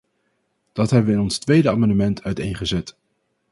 Dat hebben we in ons tweede amendement uiteengezet.